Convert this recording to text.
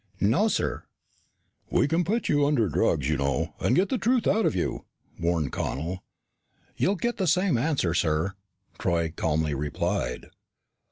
"No, sir." "We can put you under drugs, you know, and get the truth out of you," warned Connel. "You'll get the same answer, sir," Troy calmly replied.